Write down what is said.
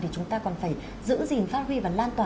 thì chúng ta còn phải giữ gìn phát huy và lan tỏa